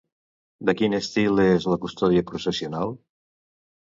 De quin estil és la custòdia processional?